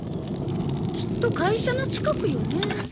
きっと会社の近くよね。